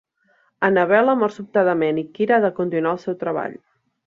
Annabella mor sobtadament, i Kira ha de continuar el seu treball.